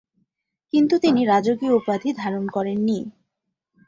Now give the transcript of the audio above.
কিন্তু তিনি রাজকীয় উপাধি ধারণ করেননি।